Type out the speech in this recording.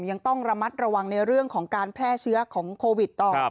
ยังต้องระมัดระวังในเรื่องของการแพร่เชื้อของโควิดต่อ